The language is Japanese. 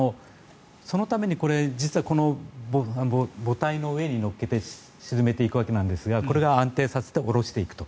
そのために実は母体の上に載せて沈めていくわけなんですがこれで安定させて下ろしていくと。